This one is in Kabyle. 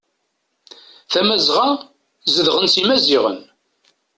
Tamazɣa zedɣen-tt imaziɣen.